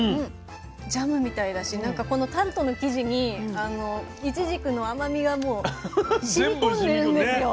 ジャムみたいだしこのタルトの生地にいちじくの甘みがもうしみこんでるんですよ。